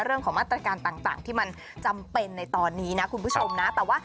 เรื่องของมาตรการต่างที่มันจำเป็นในตอนนี้นะคุณผู้ชมนะแต่ว่า